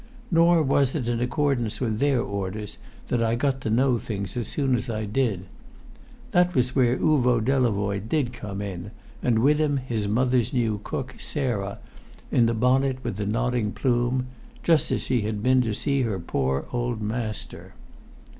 Nor was it in accordance with their orders that I got to know things as soon as I did. That was where Uvo Delavoye did come in, and with him his mother's new cook, Sarah, in the bonnet with the nodding plume just as she had been to see her pore old master.